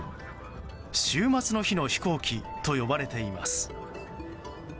終末の日の飛行機と呼ばれています。